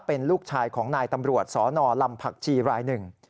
เป็นลูกชายของนายตำรวจสนลำผักชีรายหนึ่ง